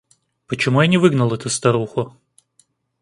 Почему я не выгнал эту старуху?